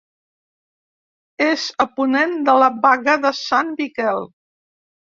És a ponent de la Baga de Sant Miquel.